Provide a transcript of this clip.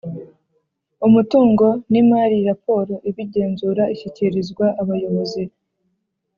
umutungo n imari raporo ibigenzura ishyikirizwa abayobozi